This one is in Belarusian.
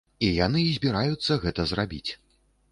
І яны збіраюцца гэта зрабіць.